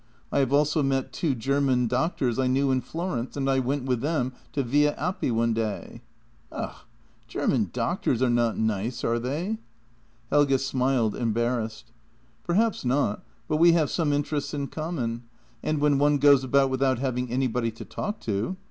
I have also met two German doctors I knew in Florence, and I went with them to Via Appi one day." " Ugh! German doctors are not nice, are they? " Helge smiled, embarrassed. " Perhaps not, but we have some interests in common, and when one goes about without having anybody to talk to.